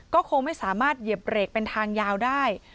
ก็คงไม่สามารถเหยียบเบรกเป็นทางยาวได้